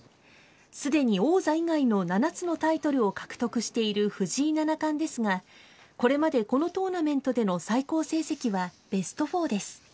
すでに王座以外の７つのタイトルを獲得している藤井七冠ですが、これまでこのトーナメントでの最高成績はベスト４です。